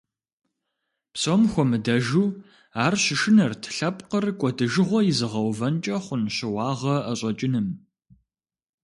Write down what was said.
Псом хуэмыдэжу ар щышынэрт лъэпкъыр кӀуэдыжыгъуэ изыгъэувэнкӀэ хъун щыуагъэ ӀэщӀэкӀыным.